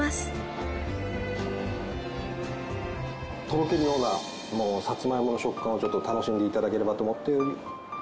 とろけるようなさつまいもの食感をちょっと楽しんで頂ければと思って。